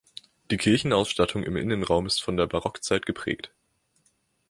Die Kirchenausstattung im Innenraum ist von der Barockzeit geprägt.